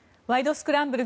スクランブル」